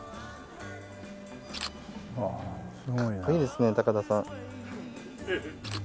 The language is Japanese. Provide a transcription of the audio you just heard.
かっこいいですね高田さん。